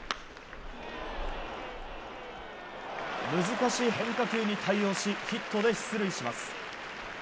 難しい変化球に対応しヒットで出塁します。